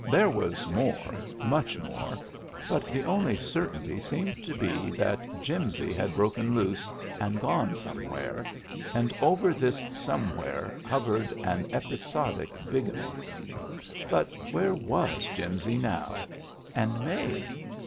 There was more, much more, but the only certainty seemed to be that Jimsy had broken loose and gone somewhere — and over this somewhere hov ered an episodic bigamy. But where was Jimsy now? And May?